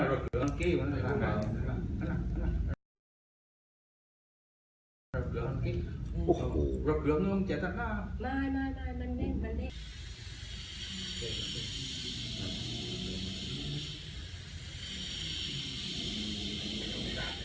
โอ้โหระเบือบนี้มันเจ็ดแล้ว